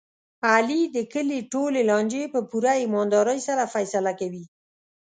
علي د کلي ټولې لانجې په پوره ایماندارۍ سره فیصله کوي.